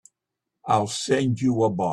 I'll send you a box.